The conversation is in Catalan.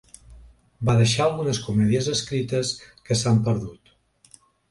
Va deixar algunes comèdies escrites que s'han perdut.